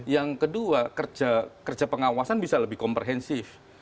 yang kedua kerja pengawasan bisa lebih komprehensif